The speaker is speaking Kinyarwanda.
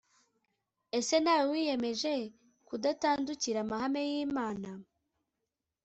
ese nawe wiyemeje kudatandukira amahame y imana